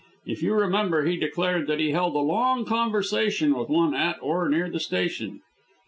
If you remember he declared that he held a long conversation with one at, or near, the station.